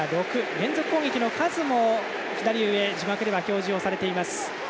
連続攻撃の数も左上の字幕で表示されています。